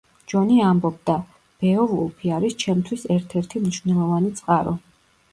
ჯონი ამბობდა: „ბეოვულფი არის ჩემთვის ერთ-ერთი მნიშვნელოვანი წყარო“.